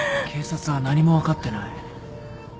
警察は何も分かってない。